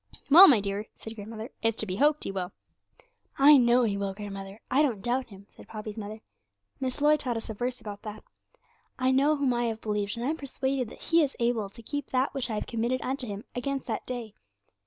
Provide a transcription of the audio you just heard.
'Well, my dear,' said grandmother, 'it's to be hoped He will.' 'I know He will, grandmother; I don't doubt Him,' said Poppy's mother. 'Miss Lloyd taught us a verse about that: "I know whom I have believed, and am persuaded that He is able to keep that which I have committed unto Him against that day."